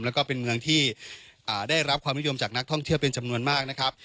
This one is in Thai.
แล้วก็เป็นเมืองที่ได้รับความนิยมจากนักท่องเที่ยวเป็นจำนวนมากนะครับ